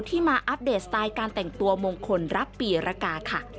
มาอัปเดตสไตล์การแต่งตัวมงคลรับปีรกาค่ะ